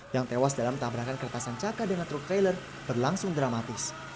yang tewas dalam tabrakan kertasan caka dengan truk trailer berlangsung dramatis